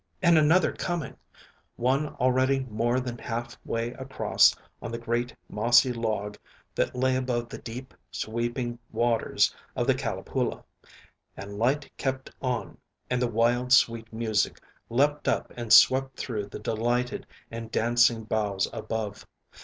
and another coming; one already more than half way across on the great, mossy log that lay above the deep, sweeping waters of the Calipoola; and Lyte kept on, and the wild, sweet music leaped up and swept through the delighted and dancing boughs above.